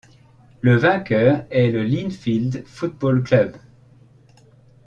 Le vainqueur est le Linfield Football Club.